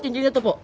cincinnya tuh pok